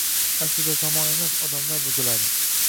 Aslida zamon emas, odamlar buziladi.